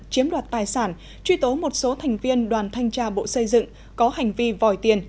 chiếm đoạt tài sản truy tố một số thành viên đoàn thanh tra bộ xây dựng có hành vi vòi tiền